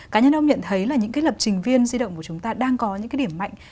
cá nhân ông nhận thấy là những cái lập trình viên di động của chúng ta đang có những cái điểm mạnh